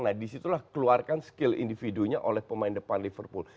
nah disitulah keluarkan skill individunya oleh pemain depan liverpool